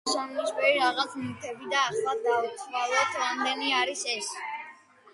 ეს იასამნისფერი რაღაც ნივთები და ახლა დავთვალოთ რამდენი არის ეს.